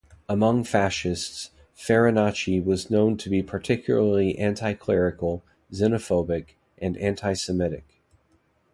Among fascists, Farinacci was known to be particularly anti-clerical, xenophobic, and anti-semitic.